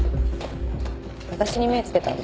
私に目付けたんじゃ？